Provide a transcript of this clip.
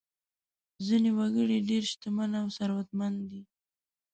ځینې وګړي ډېر شتمن او ثروتمند دي.